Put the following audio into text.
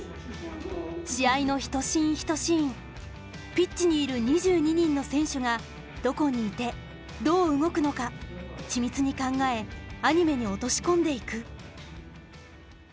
試合の１シーン１シーンピッチにいる２２人の選手がどこにいてどう動くのか緻密に考えアニメに落とし込んでいく。